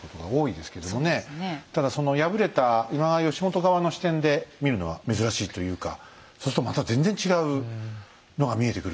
ただその敗れた今川義元側の視点で見るのは珍しいというかそうするとまた全然違うのが見えてくるねえ。